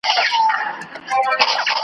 هم د سرو هم جواهرو پیمانه وه .